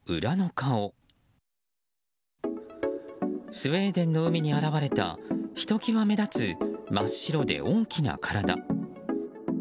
スウェーデンの海に現れたひときわ目立つ真っ白で大きな体。